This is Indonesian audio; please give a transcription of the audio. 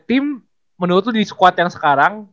tim menurut lu di squad yang sekarang